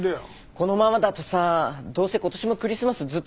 このままだとさどうせ今年もクリスマスずっと仕事だしね。